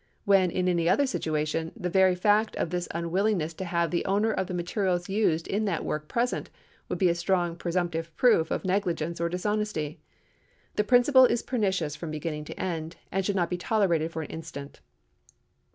When, in any other situation, the very fact of this unwillingness to have the owner of the materials used in that work present, would be strong presumptive proof of negligence or dishonesty. The principle is pernicious from beginning to end, and should not be tolerated for an instant.